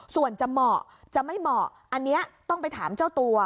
ส่วนจะเหมาะจะไม่เหมาะอันนี้ต้องไปถามเจ้าตัว